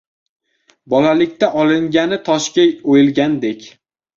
• Bolalikda olingani toshga o‘yilgandek.